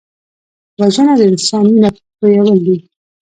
وژنه د انسان وینه تویول دي